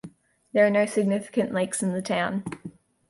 There are no significant lakes in the town.